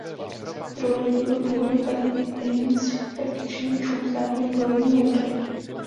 Druhou lodí byl původně parní inspekční člun Státního plavebního úřadu.